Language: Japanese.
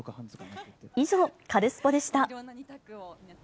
以上、カルスポっ！でした。